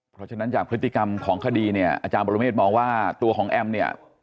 เพราะฉะนั้นจากพฤติกรรมของคดีเนี่ยอาจารย์บรเมฆมองว่าตัวของแอมเนี่ย